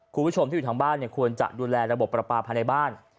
คุณผู้ชมที่อยู่ทางบ้านควรจะดูแลระบบประปาภายในบ้าน